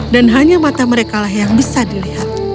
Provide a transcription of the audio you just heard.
dan hanya mata mereka yang bisa dilihat